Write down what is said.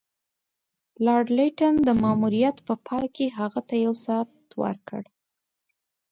لارډ لیټن د ماموریت په پای کې هغه ته یو ساعت ورکړ.